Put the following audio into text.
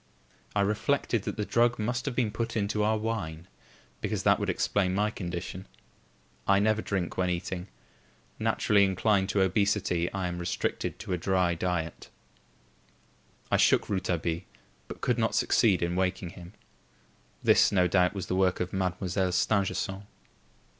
I reflected that the drug must have been put into our wine; because that would explain my condition. I never drink when eating. Naturally inclined to obesity, I am restricted to a dry diet. I shook Rouletabille, but could not succeed in waking him. This, no doubt, was the work of Mademoiselle Stangerson.